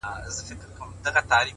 ژوند در ډالۍ دى تاته;